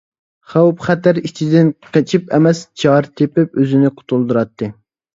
خەۋپ-خەتەر ئىچىدىن قېچىپ ئەمەس، چارە تېپىپ ئۆزىنى قۇتۇلدۇراتتى.